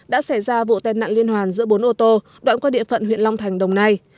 đã xảy ra vụ tai nạn liên hoàn giữa bốn ô tô đoạn qua địa phận huyện long thành đồng nai